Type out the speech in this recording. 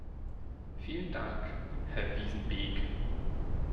Vielen Dank, Herr Wijsenbeek.